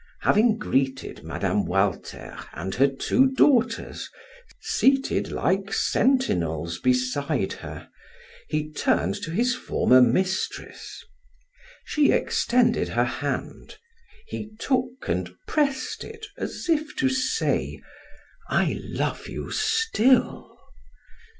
Having greeted Mme. Walter and her two daughters seated like sentinels beside her, he turned to his former mistress. She extended her hand; he took and pressed it as if to say: "I love you still!"